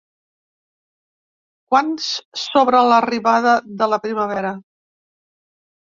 ¿Quants sobre l'arribada de la primavera?